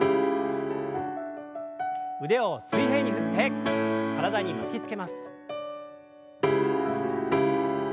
腕を水平に振って体に巻きつけます。